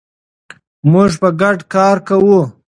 موږ په ګډه کار کوو.